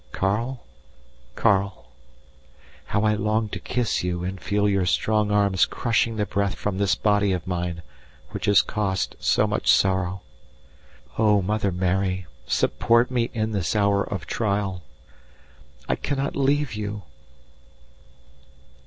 Karl! Karl! how I long to kiss you and feel your strong arms crushing the breath from this body of mine which has caused so much sorrow. Oh, Mother Mary, support me in this hour of trial. I cannot leave you!